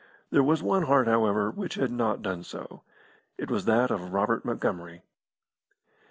There was one heart, however, which had not done so. It was that of Robert Montgomery.